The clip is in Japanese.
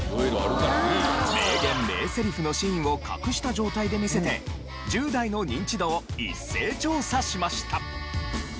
名言・名セリフのシーンを隠した状態で見せて１０代のニンチドを一斉調査しました。